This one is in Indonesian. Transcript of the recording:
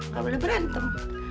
gak boleh berantem